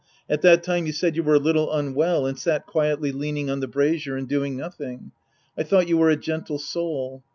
At that time you said you were a little unwell and sat quietly leaning on the brazier and doing nothing. I thought you were a gentle soul.